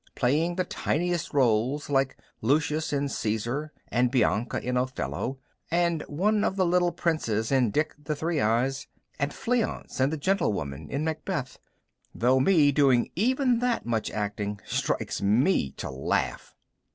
Playing the tiniest roles like Lucius in Caesar and Bianca in Othello and one of the little princes in Dick the Three Eyes and Fleance and the Gentlewoman in Macbeth, though me doing even that much acting strikes me to laugh.